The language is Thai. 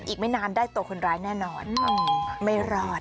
อีกไม่นานได้ตัวคนร้ายแน่นอนไม่รอด